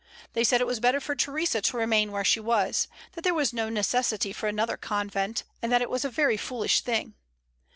They said it was better for Theresa to remain where she was; that there was no necessity for another convent, and that it was a very foolish thing.